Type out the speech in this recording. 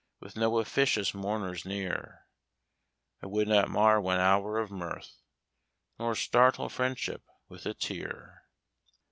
With no officious mourners near: I would not mar one hour of mirth, Nor startle friendship with a tear."